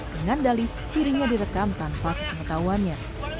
dengan dali dirinya direkam tanpa sepengetahuannya